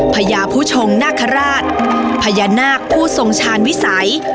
พญาผู้ชงนาคาราชพญานาคผู้ทรงชาญวิสัย